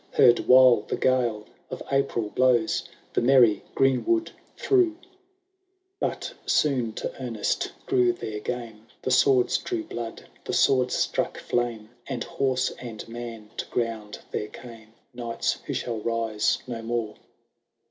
Heard while the gale of April blows The merry greenwood through. XXIV. *^ But soon to earnest grew their game. The spears drew blood, the swords struck flame. And, horse and man, to ground there came Knights, who shall rise no more